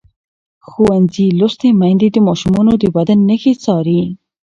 ښوونځې لوستې میندې د ماشومانو د بدن نښې څاري.